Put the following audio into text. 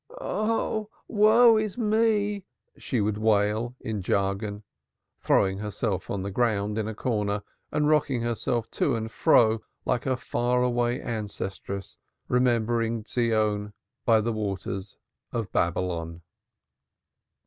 "Hi, woe is unto me," she would wail in jargon, throwing herself on the ground in a corner and rocking herself to and fro like her far away ancestresses remembering Zion by the waters of Babylon.